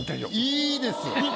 良いです。